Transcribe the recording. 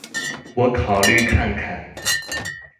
我考慮看看